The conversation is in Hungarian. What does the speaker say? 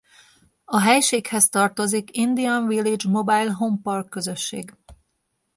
A helységhez tartozik Indian Village Mobile Home Park közösség.